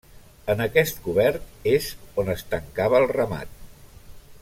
En aquest cobert és on es tancava el ramat.